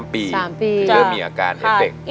๓ปีเริ่มมีอาการเห็นเด็ก